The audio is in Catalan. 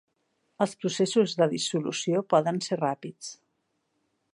Els processos de dissolució poden ser ràpids.